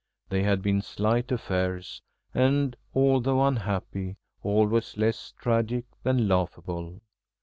They had been slight affairs and, although unhappy, always less tragic than laughable.